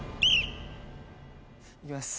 いきます。